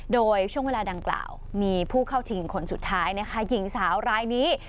โดยช่วงเวลาดังกล่าวมีผู้เข้าชิงคนสุดท้ายนะคะหญิงสาวรายนี้